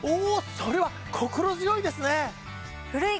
それは心強いですね！